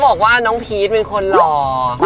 บอกว่าน้องพีชเป็นคนหล่อ